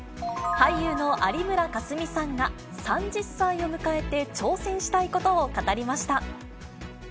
俳優の有村架純さんが、３０歳を迎えて、挑戦したいことを語りま